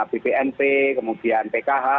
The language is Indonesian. bpnp kemudian pkh